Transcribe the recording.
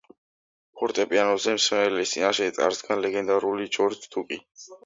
ფორტეპიანოზე მსმენელის წინაშე წარსდგა ლეგენდარული ჯორჯ დუკი.